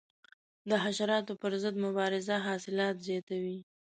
د حشراتو پر ضد مبارزه حاصلات زیاتوي.